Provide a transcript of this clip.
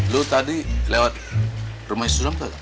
lu tadi lewat rumai suram nggak